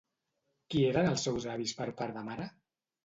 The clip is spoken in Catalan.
Qui eren els seus avis per part de mare?